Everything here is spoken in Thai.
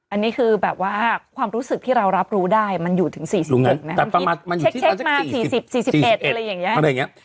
อันนี้คือแบบว่าความรู้สึกที่เรารับรู้ได้มันอยู่ถึงสี่สิบหนึ่งนะฮะรู้ไหมแต่ประมาณมันอยู่ที่สี่สิบเช็กเช็กมาสี่สิบสี่สิบเอ็ดอะไรอย่างเงี้ย